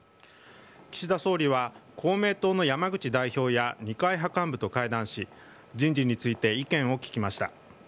岸田総理は、公明党の山口代表や二階派幹部と会談し、人事について、意見を聞きました。